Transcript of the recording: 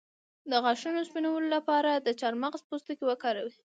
د غاښونو سپینولو لپاره د چارمغز پوستکی وکاروئ